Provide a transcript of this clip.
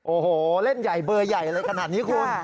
โอ้โหเล่นใหญ่เบอร์ใหญ่อะไรขนาดนี้คุณ